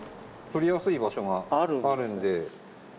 取りやすい場所があるんで。